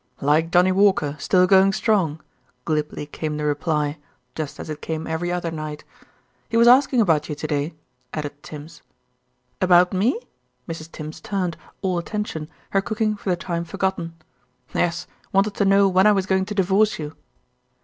"Like Johnny Walker, still going strong," glibly came the reply, just as it came every other night. "He was asking about you to day," added Tims. "About me?" Mrs. Tims turned, all attention, her cooking for the time forgotten. "Yes, wanted to know when I was going to divorce you."